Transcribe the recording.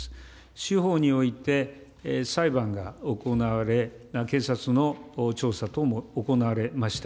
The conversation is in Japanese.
司法において裁判が行われ、検察の調査等も行われました。